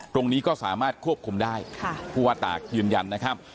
ตรงนี้ก็สามารถควบคุมได้ผู้ว่าตากยืนยันนะครับ